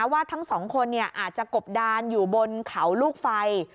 ว่าทั้งสองคนอาจจะกบดานอยู่บนเขาลูกไฟ